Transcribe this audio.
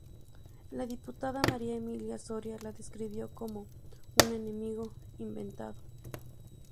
La diputada María Emilia Soria la describió como "un enemigo inventado".